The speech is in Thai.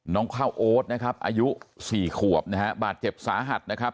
ข้าวโอ๊ตนะครับอายุสี่ขวบนะฮะบาดเจ็บสาหัสนะครับ